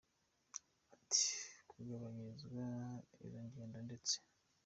Ati Kugabanyirizwa izo ngendo ndetse.